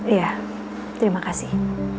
iya terima kasih